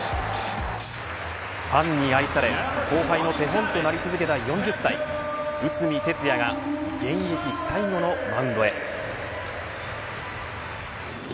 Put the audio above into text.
ファンに愛され後輩の手本となり続けた４０歳内海哲也が現役最後のマウンドへ。